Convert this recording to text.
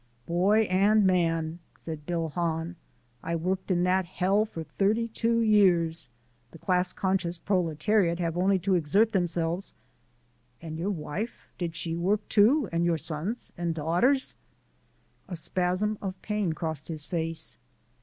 "Boy and man," said Bill Hahn, "I worked in that hell for thirty two years The class conscious proletariat have only to exert themselves " "And your wife, did she work too and your sons and daughters?" A spasm of pain crossed his face.